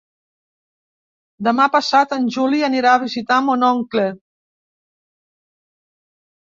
Demà passat en Juli anirà a visitar mon oncle.